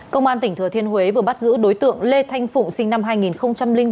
công an tỉnh thừa thiên huế vừa bắt giữ đối tượng lê thanh phụng sinh năm hai nghìn bốn